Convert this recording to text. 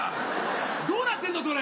どうなってんのそれ。